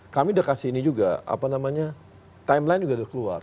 kami sudah kasih ini juga timeline juga sudah keluar